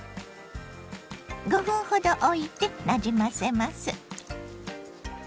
５分ほどおいてなじませます。